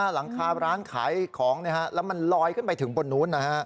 หลังคาร้านขายของนะฮะแล้วมันลอยขึ้นไปถึงบนโน้นนะฮะ